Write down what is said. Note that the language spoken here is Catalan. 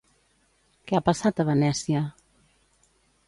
Què ha passat a Venècia?